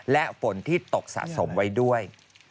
และฝนที่ตกสะสมไว้ด้วย